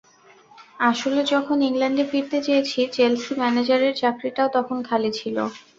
আসলে যখন ইংল্যান্ডে ফিরতে চেয়েছি, চেলসি ম্যানেজারের চাকরিটাও তখন খালি ছিল।